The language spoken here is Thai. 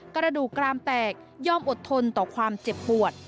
กระดูกกรามแตกยอมอดทนต่อความเจ็บปวด